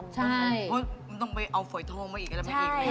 เพราะมันต้องไปเอาฝอยทองมาอีกแล้วไม่อีก